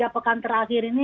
tiga pekan terakhir ini